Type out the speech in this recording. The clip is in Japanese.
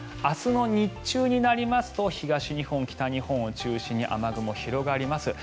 明日の日中になりますと東日本、北日本を中心に雨雲が広がります。